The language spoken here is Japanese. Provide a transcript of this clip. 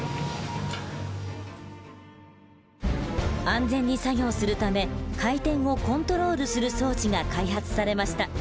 安全に作業するため回転をコントロールする装置が開発されました。